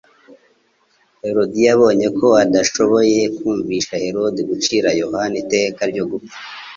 Herodiya abonye ko adashoboye kumvisha Herode gucira Yohana iteka ryo gupfa,